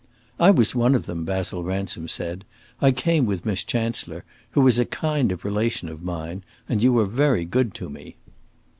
"I was one of them," Basil Ransom said; "I came with Miss Chancellor, who is a kind of relation of mine, and you were very good to me."